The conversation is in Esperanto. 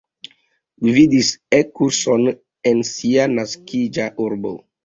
Gvidis E-kurson en sia naskiĝa urbo.